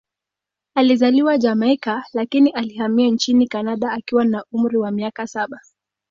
Alizaliwa Jamaika, lakini alihamia nchini Kanada akiwa na umri wa miaka saba.